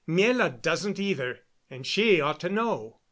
Miela doesn't, either, and she ought to know.